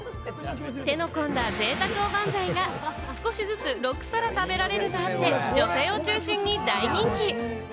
手の込んだ、贅沢おばんざいが少しずつ６皿食べられるとあって、女性を中心に大人気。